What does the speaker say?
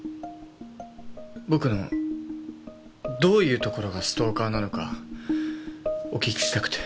僕のどういうところがストーカーなのかお聞きしたくて。